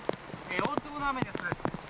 大粒の雨です。